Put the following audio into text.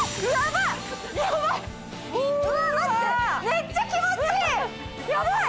めっちゃ気持ちいい！